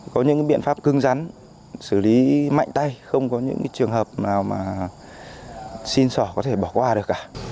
có những biện pháp cưng rắn xử lý mạnh tay không có những trường hợp nào mà xin sỏ có thể bỏ qua được cả